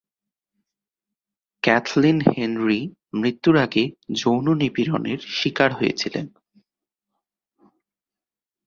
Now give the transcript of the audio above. Kathleen Henry মৃত্যুর আগে যৌন নিপীড়নের শিকার হয়েছিলেন।